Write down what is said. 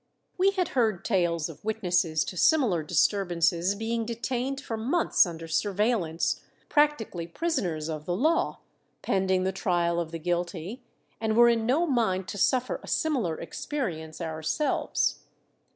We had heard tales of witnesses to similar disturbances being detained for months under surveillance, practically prisoners of the law, pending the trial of the guilty, and were in no mind to suffer a similar experience ourselves.